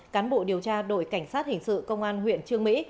cán bộ điều tra đội cảnh sát hình sự công an huyện trương mỹ